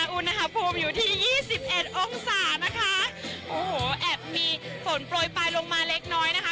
อุณหภูมิอยู่ที่ยี่สิบเอ็ดองศานะคะโอ้โหแอบมีฝนโปรยปลายลงมาเล็กน้อยนะคะ